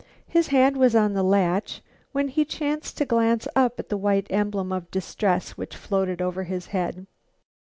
His hand was on the latch, when he chanced to glance up at the white emblem of distress which floated over his head.